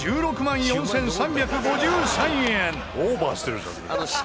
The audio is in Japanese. オーバーしてるじゃん。